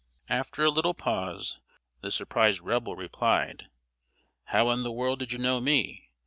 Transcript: After a little pause, the surprised Rebel replied: "How in the world did you know me?